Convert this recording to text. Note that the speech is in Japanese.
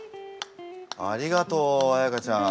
ありがとう彩歌ちゃん。